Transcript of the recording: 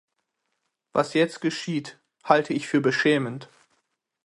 Was jetzt geschieht, halte ich für beschämend.